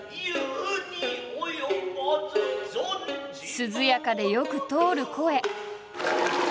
涼やかでよく通る声。